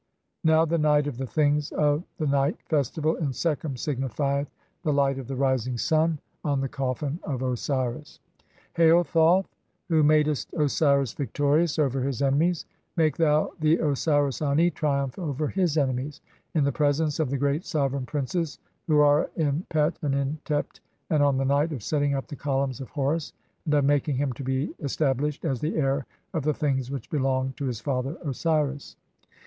Now the night of the "things of the night [festival] in Sekhem" signifieth the light of the rising sun on the coffin of Osiris. "Hail, Thoth, who madest Osiris victorious (3) over his "enemies, make thou the Osiris Ani triumphant over his enemies "in the presence of the great sovereign princes who are in Pet "and in Tept, 2 on the (4) night of setting up the columns of "Horus, and of making him to be established as heir of the "things which belonged to his father Osiris."